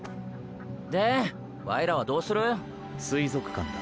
でワイらはどする？水族館だ。